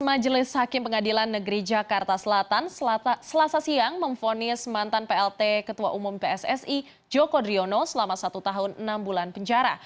majelis hakim pengadilan negeri jakarta selatan selasa siang memfonis mantan plt ketua umum pssi joko driono selama satu tahun enam bulan penjara